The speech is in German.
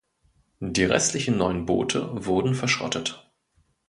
Die restlichen neun Boote wurden verschrottet.